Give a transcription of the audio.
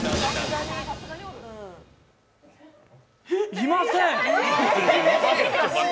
いません！